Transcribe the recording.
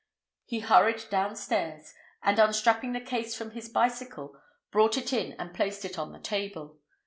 He hurried downstairs, and, unstrapping the case from his bicycle, brought it in and placed it on the table.